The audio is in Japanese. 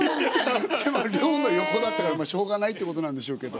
でもあれ寮の横だったからまあしょうがないっていうことなんでしょうけど。